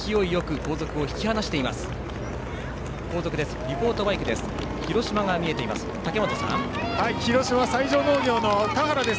後続のリポートバイクです。